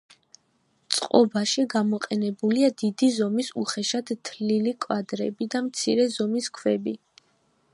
წყობაში გამოყენებულია დიდი ზომის უხეშად თლილი კვადრები და მცირე ზომის ქვები.